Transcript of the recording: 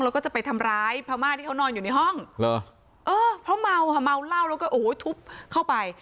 แล้วก็จะไปทำร้ายพม่าที่เขานอนอยู่ในห้องเหรอเออเพราะเมาค่ะเมาเหล้าแล้วก็โอ้โหทุบเข้าไป